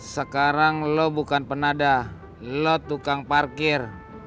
sekarang lo bukan penadah lo tukang parkir